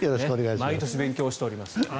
毎年勉強しております。